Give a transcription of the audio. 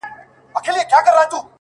ما يادوه چي کله لږ شانې اوزگاره سوې-